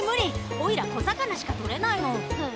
おいら小魚しか捕れないの。